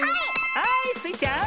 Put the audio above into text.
はいスイちゃん。